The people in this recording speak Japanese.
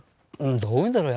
どう言うんだろう